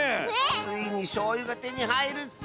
ついにしょうゆがてにはいるッス！